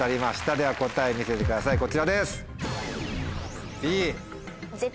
では答え見せてくださいこちらです！